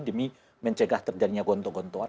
demi mencegah terjadinya gontok gontoan